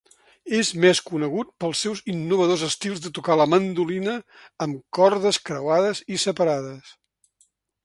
És més conegut pels seus innovadors estils de tocar la mandolina amb cordes creuades i separades.